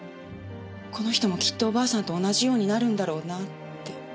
この人もきっとおばあさんと同じようになるんだろうなって。